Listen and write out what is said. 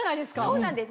そうなんです。